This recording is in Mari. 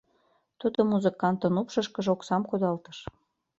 Тудо музыкантын упшышкыжо оксам кудалтыш.